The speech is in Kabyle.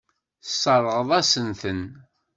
Tesseṛɣeḍ-asent-ten.